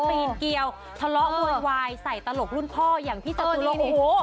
ปีนเกียวทะเลาะโวยวายใส่ตลกรุ่นพ่ออย่างพี่จตุรงโอ้โห